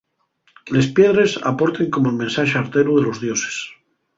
Les piedres aporten como'l mensax arteru de los dioses.